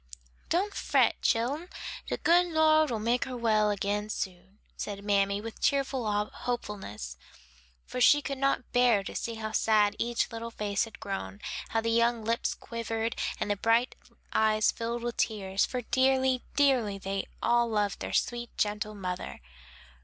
"Don't fret, chillen, de good Lord make her well again soon," said mammy, with cheerful hopefulness, for she could not bear to see how sad each little face had grown, how the young lips quivered, and the bright eyes filled with tears; for dearly, dearly, they all loved their sweet, gentle mother.